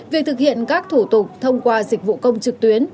việc thực hiện các thủ tục thông qua dịch vụ công trực tuyến